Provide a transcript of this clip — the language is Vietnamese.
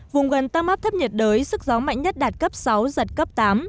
vùng gần tâm áp thấp nhiệt đới sức gió mạnh nhất đạt cấp sáu giật cấp tám